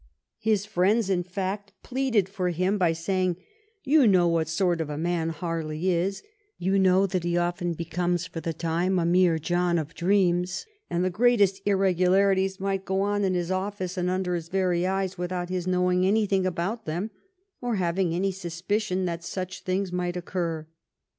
His friends, in fact, pleaded for him by saying :" You know what sort of a man Harley is; you know that he often becomes for the time a mere John o' Dreams, and the greatest irregularities might go on in his, office and under his very eyes without his knowing anything about them or having any suspicion that such things might occur."